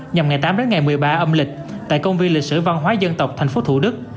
nhằm ngày tám đến ngày một mươi ba âm lịch tại công viên lịch sử văn hóa dân tộc tp thủ đức